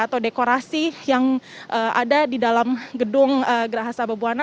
atau dekorasi yang ada di dalam gedung geraha sababwana